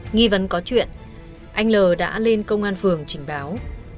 nghi vấn có chuyện anh l đã lên công an phường trình báo